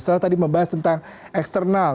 saya tadi membahas tentang eksternal